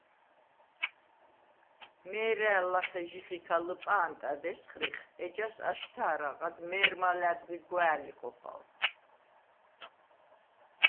მე̄რა̄̈ლ ლახე ჟიხიქა ლჷპა̄ნტად ესღრიხ, ეჯას აშთა̄რაღად მე̄რმა ლა̈დღი გვა̄̈ლი ხოხალ.